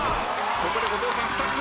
ここで後藤さん２つ。